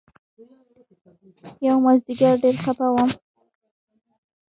يومازديگر ډېر خپه وم.